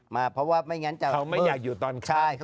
มาเพราะว่าไม่อยากอยู่ตอนคลาฟ